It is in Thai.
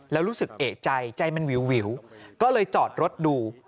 แล้วรู้สึกเอกใจใจมันวิวก็เลยจอดรถดู